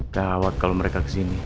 kawat kalau mereka kesini